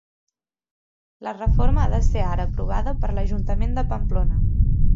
La reforma ha de ser ara aprovada per l'ajuntament de Pamplona.